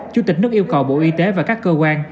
chủ tịch nước yêu cầu bộ y tế và các cơ quan